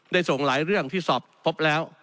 ได้ส่งหลายเรื่องที่สอบพบแล้ว